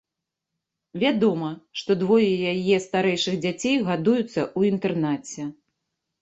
Вядома, што двое яе старэйшых дзяцей гадуюцца ў інтэрнаце.